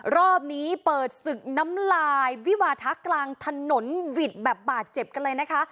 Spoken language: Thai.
รอบนี้เปิดศึกน้ำลายวิวาทะกลางถนนหวิดแบบบาดเจ็บกันเลยนะคะ